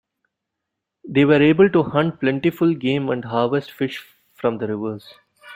They were able to hunt plentiful game and harvest fish from the rivers.